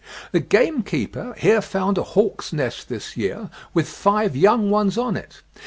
"The gamekeeper here found a hawk's nest this year, with five young ones on it.